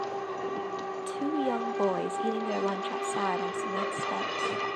Two young boys eating their lunch outside on cement steps.